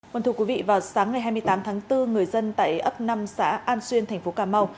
vâng thưa quý vị vào sáng ngày hai mươi tám tháng bốn người dân tại ấp năm xã an xuyên thành phố cà mau